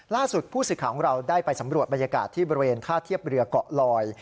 ล่าสุดผู้สื่อข่าวของเราได้ไปสำรวจบรรยากาศที่บริเวณท่าเทียบเรือเกาะลอย